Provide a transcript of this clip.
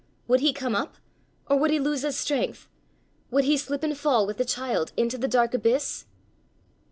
Would he come up? Or would he lose his strength? Would he slip and fall with the child into the dark abyss?